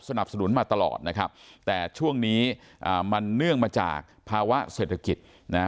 สนับสนุนมาตลอดนะครับแต่ช่วงนี้อ่ามันเนื่องมาจากภาวะเศรษฐกิจนะฮะ